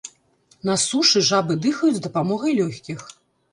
На сушы жабы дыхаюць з дапамогай лёгкіх.